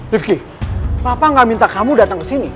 rifki papa gak minta kamu datang kesini